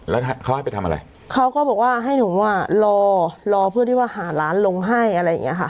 แล้วเขาให้ไปทำอะไรเขาก็บอกว่าให้หนูอ่ะรอรอเพื่อที่ว่าหาร้านลงให้อะไรอย่างเงี้ค่ะ